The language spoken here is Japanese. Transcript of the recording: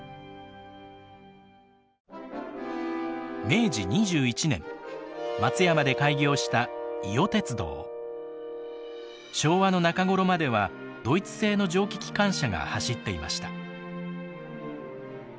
明治２１年松山で開業した昭和の中頃まではドイツ製の蒸気機関車が走っていました。